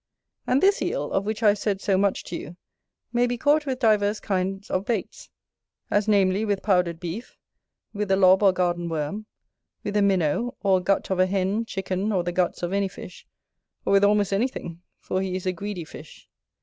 And this Eel, of which I have said so much to you, may be caught with divers kinds of baits: as namely, with powdered beef; with a lob or garden worm; with a minnow; or gut of a hen, chicken, or the guts of any fish, or with almost anything, for he is a greedy fish.